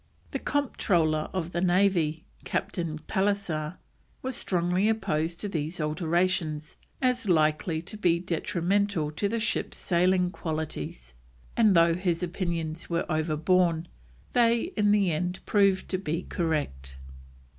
The Comptroller of the Navy, Captain Pallisser, was strongly opposed to these alterations as likely to be detrimental to the ship's sailing qualities, and though his opinions were overborne, they in the end proved to be correct.